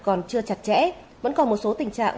còn chưa chặt chẽ vẫn còn một số tình trạng